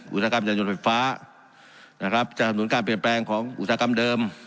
อุตสาหกรรมยานยนต์ไฟฟ้านะครับสนับสนุนการเปลี่ยนแปลงของอุตสาหกรรมเดิม